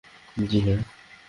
জ্বি, হ্যাঁ!